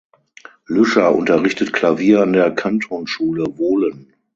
Lüscher unterrichtet Klavier an der Kantonsschule Wohlen.